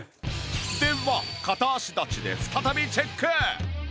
では片足立ちで再びチェック！